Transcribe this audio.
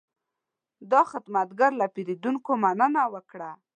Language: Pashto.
دا خدمتګر له پیرودونکو مننه وکړه.